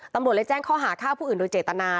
ตำรวจเลยแจ้งข้อหาฆ่าผู้อื่นโดยเจตนา